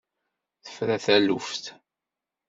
Tefra taluft!